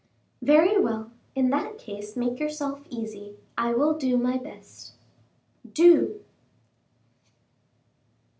"Very well; in that case make yourself easy. I will do my best." "Do."